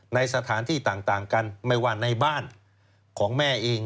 ในสถานที่ต่างกันไม่ว่าในบ้านของแม่เอง